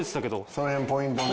その辺ポイントね。